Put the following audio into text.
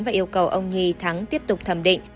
và yêu cầu ông nhì thắng tiếp tục thẩm định